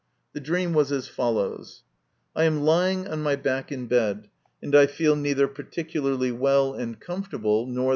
The dream was as follows : I am lying on my back in bed, and I feel neither particularly well and comfortable, nor * My Religion.